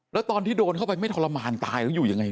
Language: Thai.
แล้วไปบอกว่าตอนดองเข้าไปไม่ทโทรมาน้าจักรตายแล้วอยู่อย่างไร